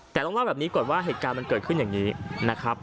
แต่ต้องเล่าแบบนี้ก่อนว่าเหตุการณ์มันเกิดขึ้นอย่างนี้นะครับ